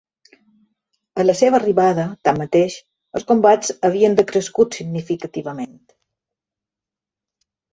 A la seva arribada, tanmateix, els combats havien decrescut significativament.